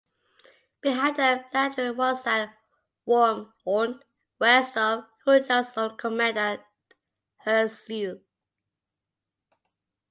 Behind them Landrin was at Wormhoudt, west of Houchard's own command at Herzeele.